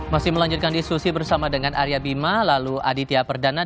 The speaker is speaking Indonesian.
masih melanjutkan diskusi bersama dengan arya bima lalu aditya perdana